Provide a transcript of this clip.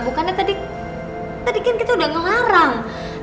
bukannya tadi kan kita udah ngelarang